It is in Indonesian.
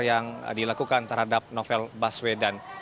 yang dilakukan terhadap novel baswedan